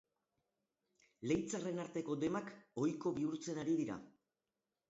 Leitzarren arteko demak ohiko bihurtzen ari dira.